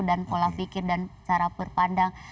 dan pola pikir dan cara berpandang